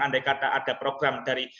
andai kata ada program dari